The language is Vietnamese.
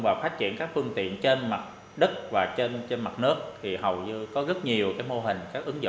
và phát triển các phương tiện trên mặt đất và trên mặt nước thì hầu như có rất nhiều cái mô hình